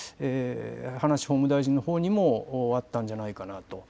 葉梨法務大臣のほうにもあったんじゃないかなと。